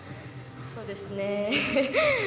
そうですね。